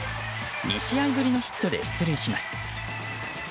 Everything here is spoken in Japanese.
２試合ぶりのヒットで出塁します。